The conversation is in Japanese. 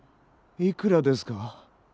いくらですか？